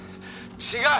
「違う！